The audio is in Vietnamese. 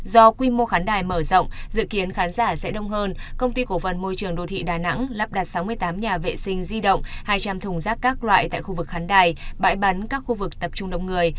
do quy mô khán đài mở rộng dự kiến khán giả sẽ đông hơn công ty cổ phần môi trường đô thị đà nẵng lắp đặt sáu mươi tám nhà vệ sinh di động hai trăm linh thùng rác các loại tại khu vực khán đài bãi bắn các khu vực tập trung đông người